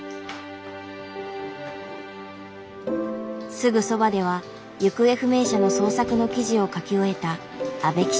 すぐそばでは行方不明者の捜索の記事を書き終えた阿部記者が。